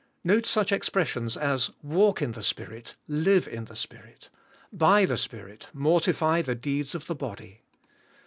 Note such expressions as "Walk in the Spirit," "Live in the Spirit," " By the Spirit, mortify the deeds, of the body."